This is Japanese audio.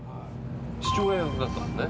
父親役だったもんね。